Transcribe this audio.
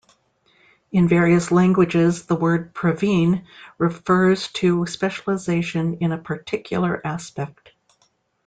In various languages the word "praveen" refers to specialization in a particular aspect.